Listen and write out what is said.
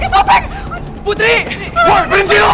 gue gak mau biarin putri sama lo